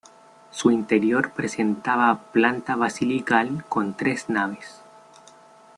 Su interior presentaba planta basilical con tres naves.